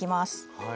はい。